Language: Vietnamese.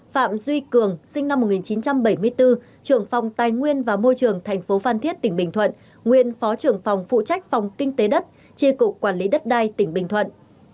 sáu phạm duy cường sinh năm một nghìn chín trăm bảy mươi bốn trưởng phòng tài nguyên và môi trường tp phan thiết tỉnh bình thuận nguyên phó trưởng phòng phụ trách phòng kinh tế đất tri cục quản lý đất đai tỉnh bình thuận